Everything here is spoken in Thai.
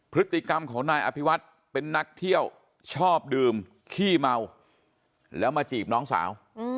พฤติกรรมของนายอภิวัตรเป็นนักเที่ยวชอบดื่มขี้เมาแล้วมาจีบน้องสาว